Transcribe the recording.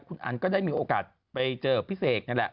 คุณอันก็ได้มีโอกาสไปเจอพี่เสกนี่แหละ